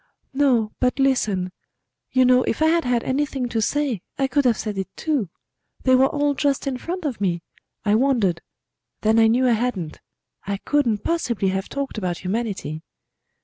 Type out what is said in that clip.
"No; but listen.... You know, if I had had anything to say I could have said it too. They were all just in front of me: I wondered; then I knew I hadn't. I couldn't possibly have talked about Humanity."